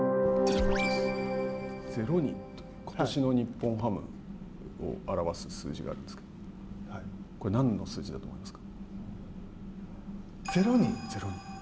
０人ということしの日本ハムを表す数字なんですけれどもこれ、なんの数字だと思いますか。